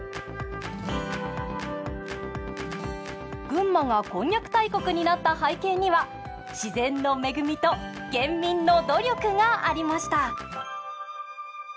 群馬がこんにゃく大国になった背景には自然の恵みと県民の努力がありました。